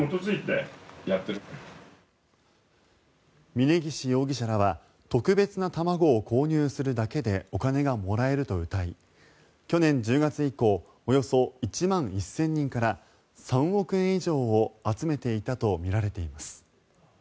峯岸容疑者らは特別な卵を購入するだけでお金がもらえるとうたい去年１０月以降およそ１万１０００人から３億円以上を集めていたとみられています。